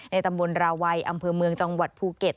ตำบลราวัยอำเภอเมืองจังหวัดภูเก็ต